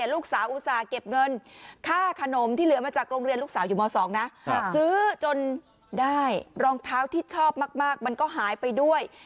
ลูกสาวอุตส่าห์เก็บเงินค่าขนมที่เหลือมาจากโรงเรียนลูกสาวอยู่ม๒นะซื้อจนได้รองเท้าที่ชอบมากมันก็หายไปด้วย